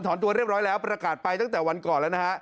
ตัวเรียบร้อยแล้วประกาศไปตั้งแต่วันก่อนแล้วนะฮะ